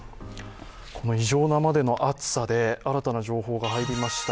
異常なまでの暑さで、新たな情報が入りました。